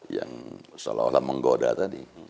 yang seolah olah menggoda tadi